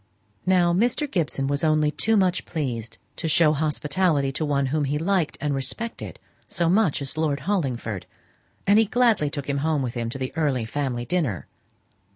Now Mr. Gibson was only too much pleased to show hospitality to one whom he liked and respected so much as Lord Hollingford, and he gladly took him home with him to the early family dinner.